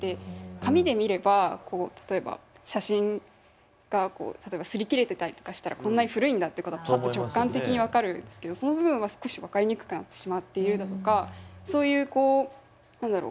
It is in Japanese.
紙で見れば例えば写真がこう擦り切れてたりとかしたらこんなに古いんだってことがパッと直感的に分かるんですけどその部分は少し分かりにくくなってしまっているだとかそういうこう何だろう。